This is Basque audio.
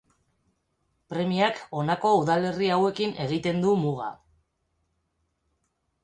Premiak honako udalerri hauekin egiten du muga.